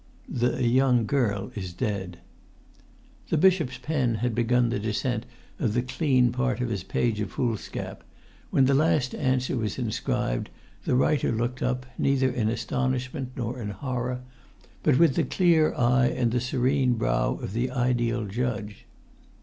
"The young girl—is dead." The bishop's pen had begun the descent of the clean part of his page of foolscap; when the last answer was inscribed, the writer looked up, neither in astonishment nor in horror, but with the clear eye and the serene brow of the ideal judge.